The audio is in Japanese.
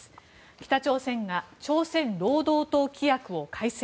北朝鮮が朝鮮労働党規約を改正。